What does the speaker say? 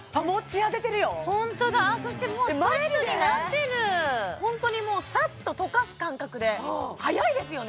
ホントだそしてもうホントにもうサッととかす感覚で早いですよね